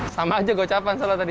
sama aja kecapan salah tadi